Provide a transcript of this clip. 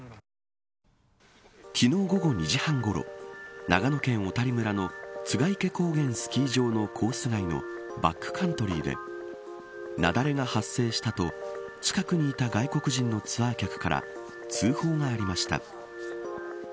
昨日、午後２時半ごろ長野県小谷村の栂池高原スキー場のコース外のバックカントリーで雪崩が発生したと近くにいた外国人のツアー客から通報がありました。